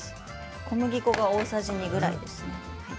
小麦粉が大さじ２くらいですね。